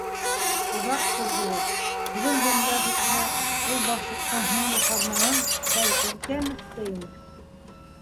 Оҙаҡ торҙо ул. Бөгөн донъя бөтһә, ул Башлыҡтың һуңғы фарманын, бәлки, үтәмәҫ тә ине.